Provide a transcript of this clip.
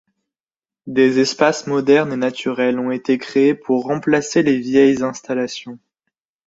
Des espaces modernes et naturels ont été créés pour remplacer les vieilles installations.